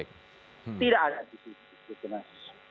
tidak ada di situ mas